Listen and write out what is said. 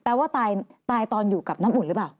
ว่าตายตอนอยู่กับน้ำอุ่นหรือเปล่า